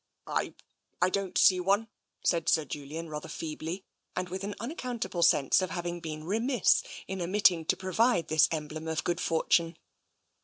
"I — I don't see one," said Sir Julian, rather feebly, and with an unaccountable sense of having been remiss in omitting to provide this emblem of good fortune.